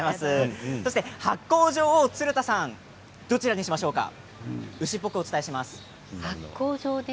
発酵女王の鶴田さんどれにしましょうか。